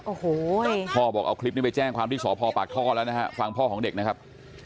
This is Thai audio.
โอ้โหพ่อบอกเอาคลิปนี้ไปแจ้งความที่สพปากท่อแล้วนะฮะฟังพ่อของเด็กนะครับ